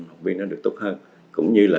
học viên nó được tốt hơn cũng như là